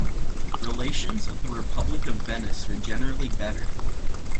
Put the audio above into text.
Relations with the Republic of Venice were generally better.